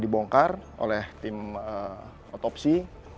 dibongkar oleh tim otopsi